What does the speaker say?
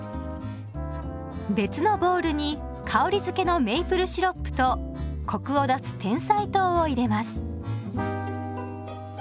別のボウルに香りづけのメイプルシロップとコクを出すてんさい糖を入れます。